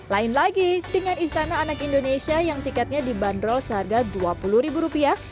lain lagi dengan istana anak indonesia yang tiketnya dibanderol seharga dua puluh ribu rupiah